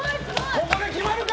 ここで決まるか？